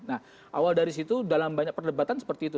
nah awal dari situ dalam banyak perdebatan seperti itu